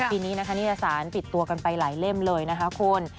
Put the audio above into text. ปีนี้นะคะนิตยสารปิดตัวกันไปหลายเล่มเลยนะคะคุณ